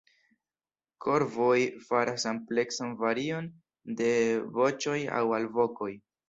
Korvoj faras ampleksan varion de voĉoj aŭ alvokoj.